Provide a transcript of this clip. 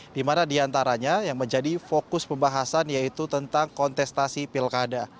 di mana diantaranya yang menjadi fokus pembahasan yaitu tentang kontestasi pilkada